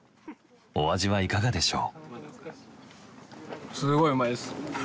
お味はいかがでしょう？